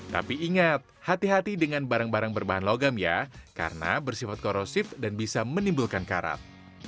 tapi ingat hati hati dengan barang barang berbahan logam ya karena bersifat korosif dan bisa menimbulkan karat